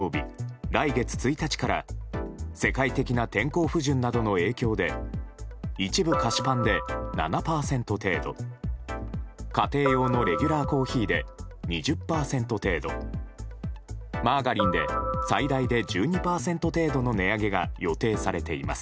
大手食品メーカーなどでは今週金曜日来月１日から世界的な天候不順などの影響で一部菓子パンで７％程度家庭用のレギュラーコーヒーで２０％程度マーガリンで最大で１２％程度の値上げが予定されています。